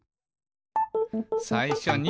「さいしょに」